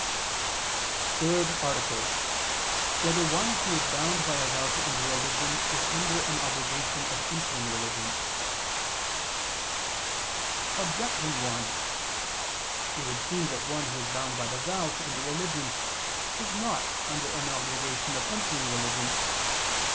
_______________________ THIRD ARTICLE [II II, Q. 189, Art. 3] Whether One Who Is Bound by a Vow to Enter Religion Is Under an Obligation of Entering Religion? Objection 1: It would seem that one who is bound by the vow to enter religion is not under an obligation of entering religion.